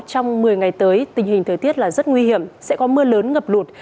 trong một mươi ngày tới tình hình thời tiết là rất nguy hiểm sẽ có mưa lớn ngập lụt